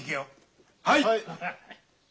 はい！